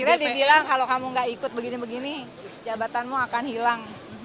akhirnya dibilang kalau kamu gak ikut begini begini jabatanmu akan hilang